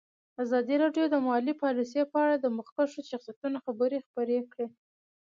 ازادي راډیو د مالي پالیسي په اړه د مخکښو شخصیتونو خبرې خپرې کړي.